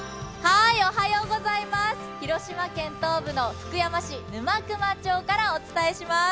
広島県東部の福山市沼隈町からお伝えします。